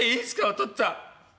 お父っつぁん。